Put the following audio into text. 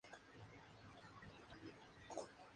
Alberto Aguirre nació en Girardota, Antioquia.